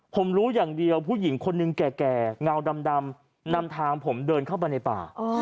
ผมรู้อย่างเดียวผู้หญิงคนหนึ่งแก่เงาดำนำทางผมเดินเข้าไปในป่า